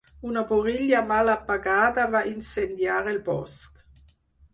Una burilla mal apagada va incendiar el bosc.